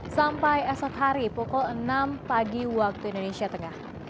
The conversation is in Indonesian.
sampai esok hari pukul enam pagi waktu indonesia tengah